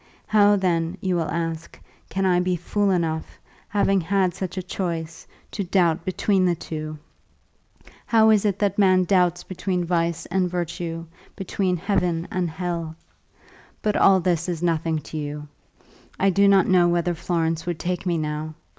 How then, you will ask, can I be fool enough, having had such a choice, to doubt between the two! How is it that man doubts between vice and virtue, between honour and dishonour, between heaven and hell? But all this is nothing to you. I do not know whether Florence would take me now.